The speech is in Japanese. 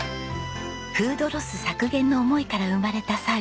フードロス削減の思いから生まれたサービスです。